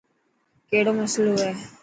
ڪهڙو مصلو هي.